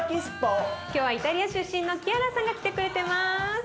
今日はイタリア出身のキアラさんが来てくれてます。